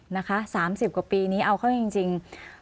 นะคะ๓๐กว่าปีนี้เอาเข้าจริง